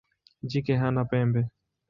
Jike hana pembe.